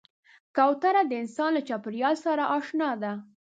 کوتره د انسان له چاپېریال سره اشنا ده.